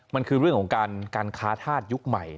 มันคือเรื่องของการค้าธาตุยุคใหม่